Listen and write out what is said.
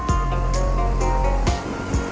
bangun meaning chris pilih